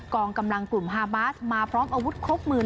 กองกำลังกลุ่มฮามาสมาพร้อมอาวุธครบมือ